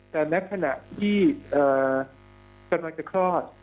แต่ในขณะที่กำลังจะคลอด